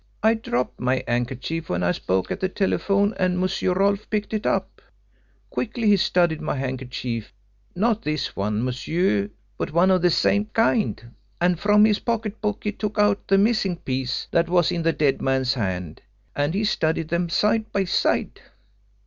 I dropped my handkerchief when I spoke at the telephone and Monsieur Rolfe picked it up. Quickly he studied my handkerchief not this one, monsieur, but one of the same kind and from his pocket book he took out the missing piece that was in the dead man's hand and he studied them side by side.